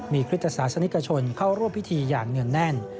มีคริสตศาสนิกชนเข้าร่วมพิธีอย่างเนื่องแน่น